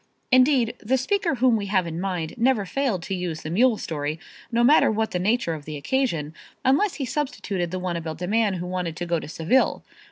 Indeed the speaker whom we have in mind never failed to use the mule story, no matter what the nature of the occasion, unless he substituted the one about the man who wanted to go to Seville.